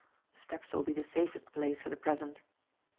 The steps will be the safest place for the present."